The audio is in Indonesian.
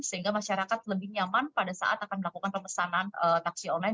sehingga masyarakat lebih nyaman pada saat akan melakukan pembesaran